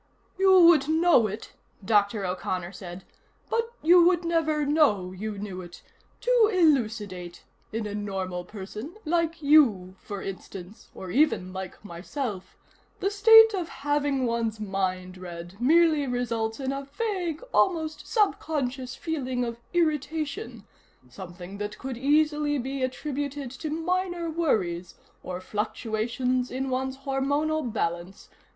"You would know it," Dr. O'Connor said, "but you would never know you knew it. To elucidate: in a normal person like you, for instance, or even like myself the state of having one's mind read merely results in a vague, almost sub conscious feeling of irritation, something that could easily be attributed to minor worries, or fluctuations in one's hormonal balance.